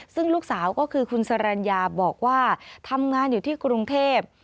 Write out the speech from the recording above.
ซึ่งลูกสาวก็คือคุณสรรญาบอกว่าทำงานอยู่ที่กรุงเทพ